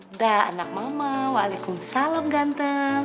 udah anak mama waalaikumsalam ganteng